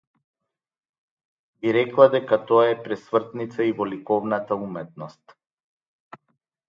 Би рекла дека тоа е пресвртница и во ликовната уметност.